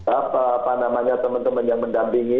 apa apa namanya teman teman yang mendampingi